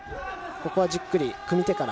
ここはじっくり組み手から。